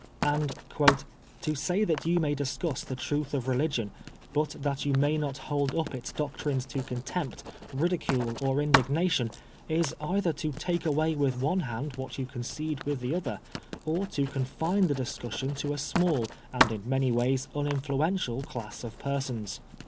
And " to say that you may discuss the truth of religion, but that you may not hold up ita doctrines to contempt, ridicule, or indignation, is either to take away with one hand what you concede with the other, or to confine the discussion to a small and in many ways uninfluential class of persons.'